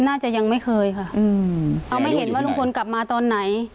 น่าจะยังไม่เคยค่ะเอาไม่เห็นว่าลุงพลกลับมาตอนไหน